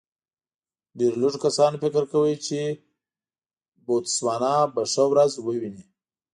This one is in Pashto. ډېرو لږو کسانو فکر کاوه چې بوتسوانا به ښه ورځ وویني.